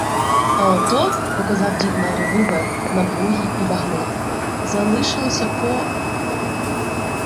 А ото, — показав дід на револьвер, набої і багнет, — залишилося по.